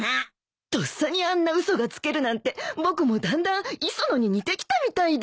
とっさにあんな嘘がつけるなんて僕もだんだん磯野に似てきたみたいだ。